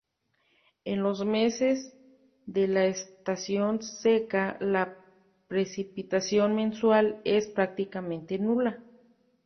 En los meses de la estación seca, la precipitación mensual es prácticamente nula.